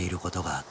あっ！